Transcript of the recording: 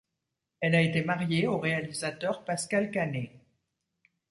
Elle a été mariée au réalisateur Pascal Kané.